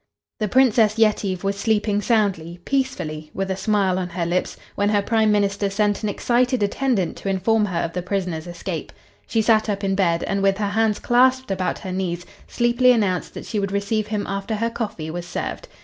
The Princess Yetive was sleeping' soundly, peacefully, with a smile on her lips, when her Prime Minister sent an excited attendant to inform her of the prisoner's escape. She sat up in bed, and, with her hands clasped about her knees, sleepily announced that she would receive him after her coffee was served.